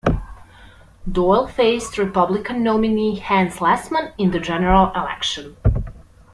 Doyle faced Republican nominee Hans Lessmann in the general election.